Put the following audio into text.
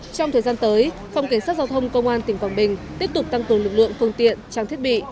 trong thời gian tới phòng cảnh sát giao thông công an tỉnh quảng bình tiếp tục tăng cường lực lượng phương tiện trang thiết bị